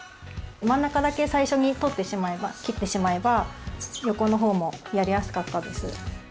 真ん中だけ最初にとってしまえば切ってしまえば横の方もやりやすかったです。